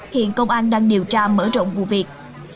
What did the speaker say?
hiện công an đang điều tra mở rộng vụ việc